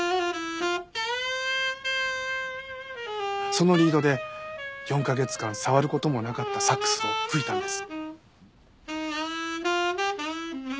そのリードで４カ月間触る事もなかったサックスを吹いたんです。